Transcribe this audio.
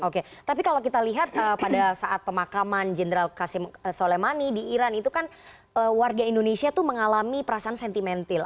oke tapi kalau kita lihat pada saat pemakaman general qasim solemani di iran itu kan warga indonesia itu mengalami perasaan sentimental